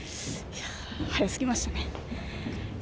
早すぎましたね。